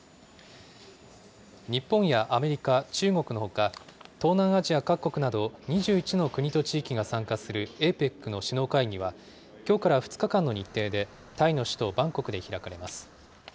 日本やアメリカ、中国のほか、東南アジア各国など、２１の国と地域が参加するＡＰＥＣの首脳会議は、きょうから２日間の日程で、タイの首都バンコクで開かれます。